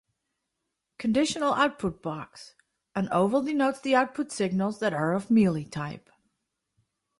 Conditional output box: An oval denotes the output signals that are of Mealy type.